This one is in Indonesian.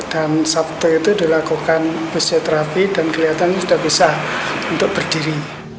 dan sabtu itu dilakukan fisioterapi dan kelihatan sudah bisa untuk berdiri